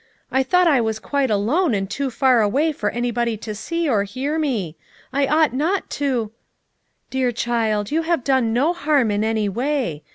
"I thought I was quite alone and too far away for anybody to see or hear me. I ought not to—" "Dear child, you have done no harm in any way.